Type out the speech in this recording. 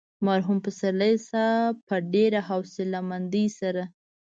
مرحوم پسرلي صاحب په ډېره حوصله مندۍ سره.